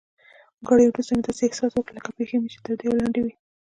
ګړی وروسته مې داسې احساس وکړل لکه پښې چي مې تودې او لندې وي.